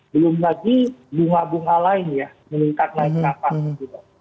belum lagi bunga bunga lain ya meningkat naik naik naik juga